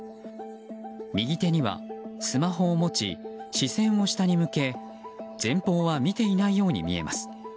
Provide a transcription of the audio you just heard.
右手にはスマホを持ち視線を下に向け前方は見ていないように見えます。